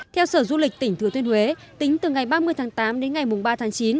theo sở du lịch tỉnh thừa thiên huế tính từ ngày ba mươi tháng tám đến ngày ba tháng chín